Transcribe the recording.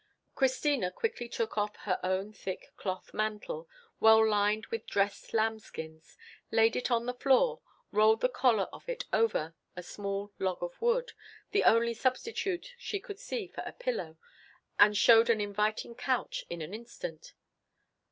Christina quickly took off her own thick cloth mantle, well lined with dressed lambskins, laid it on the floor, rolled the collar of it over a small log of wood—the only substitute she could see for a pillow—and showed an inviting couch in an instant.